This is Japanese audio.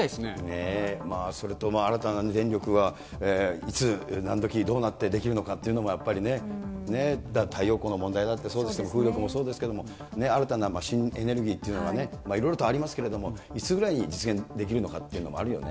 それと、新たな電力がいつ、なんどきどうなってできるのかっていうのもやっぱりね、太陽光の問題なんてそうですけど、風力もそうですけども、新たな新エネルギーっていうのがいろいろとありますけれども、いつぐらいに実現できるのかっていうのもあるよね。